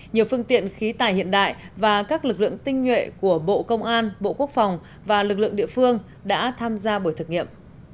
nhiều phương tiện khí tài hiện đại và các lực lượng tinh nhuệ của bộ công an bộ quốc phòng và lực lượng địa phương đã tham gia buổi thực nghiệm